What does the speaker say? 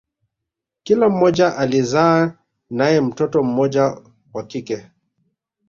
Kila mmoja alizaa nae mtoto mmoja wa kike